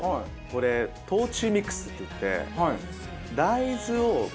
これ豆鼓ミックスっていって。